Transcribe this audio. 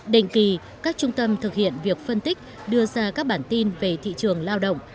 đình kỳ các trung tâm thực hiện việc phân tích đưa ra các bản tin về thị trường lao động